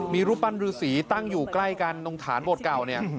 มีรูปปั้นรือสีตั้งอยู่ใกล้กันตรงฐานบทเก่าเนี่ย